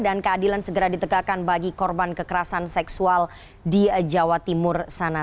dan keadilan segera ditegakkan bagi korban kekerasan seksual di jawa timur sana